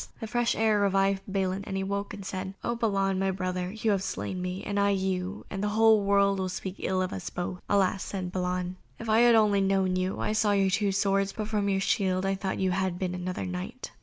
The fresh air revived Balin, and he awoke and said: "O Balan, my brother, you have slain me, and I you, and the whole world will speak ill of us both." "Alas," sighed Balan, "if I had only known you! I saw your two swords, but from your shield I thought you had been another knight."